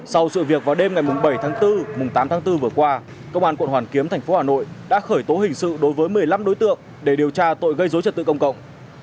sau sự việc vào đêm ngày bảy tháng bốn tám tháng bốn vừa qua công an quận hoàn kiếm thành phố hà nội đã khởi tố hình sự đối với một mươi năm đối tượng để điều tra tội gây dối trật tự công cộng